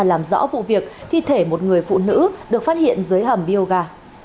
làm rõ vụ việc thi thể một người phụ nữ được phát hiện dưới hầm bioga